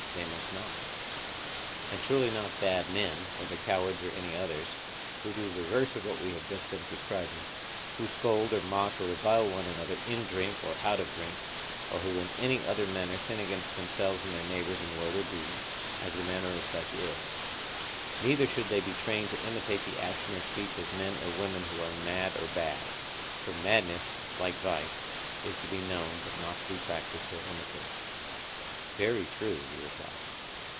They must not. And surely not bad men, whether cowards or any others, who do the reverse of what we have just been prescribing, who scold or mock or revile one another in drink or out of drink, or who in any other manner sin against themselves and their neighbours in word or deed, as the manner of such is. Neither should they be trained to imitate the action or speech of men or women who are mad or bad; for madness, like vice, is to be known but not to be practised or imitated. Very true, he replied.